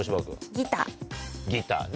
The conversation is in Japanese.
ギターね。